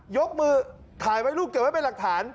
ยกมือถ่ายไว้ลูกเก็บไว้เป็นหลักฐาน